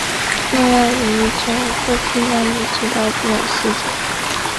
挪亚无疑从父亲那里知道不少事情。